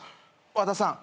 和田さん